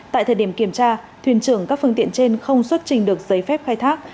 tại thời điểm kiểm tra thuyền trưởng các phương tiện trên không xuất trình được giấy phép khai thác